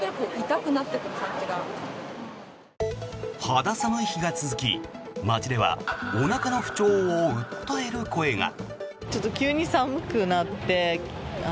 肌寒い日が続き、街ではおなかの不調を訴える声が。